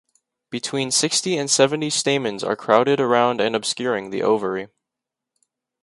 Between sixty and seventy stamens are crowded around and obscuring the ovary.